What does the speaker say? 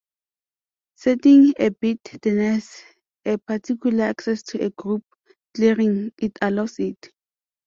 Setting a bit denies a particular access to a group; clearing it allows it.